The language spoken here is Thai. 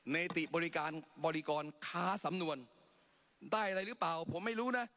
ในติบริการบริกรค้าสำนวนได้อะไรหรือเปล่าผมไม่รู้นะ